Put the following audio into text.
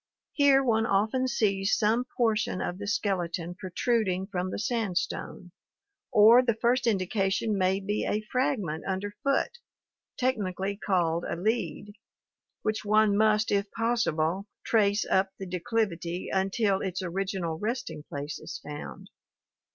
Here one often sees some portion of the skeleton protruding from the sand stone, or the first indication may be a fragment underfoot, tech nically called a lead, which one must if possible trace up the declivity until its original resting place is found.